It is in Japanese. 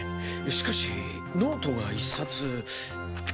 しかしノートが１冊。